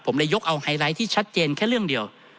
ผมเลยยกเอาไฮไลท์ที่ชัดเจนแค่เรื่องเดียว